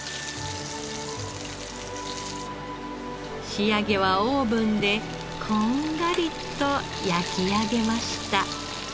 仕上げはオーブンでこんがりと焼き上げました。